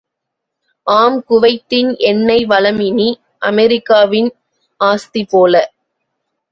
ஆம் குவைத்தின் எண்ணெய் வளம் இனி அமெரிக்காவின் ஆஸ்தி போல!